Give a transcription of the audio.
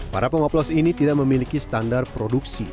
para pengoplos ini tidak memiliki standar produksi